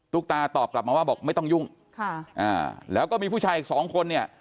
ตุ๊กตาตอบกลับมาว่าบอกไม่ต้องยุ่งแล้วก็มีผู้ชายอีก๒คนเนี่ย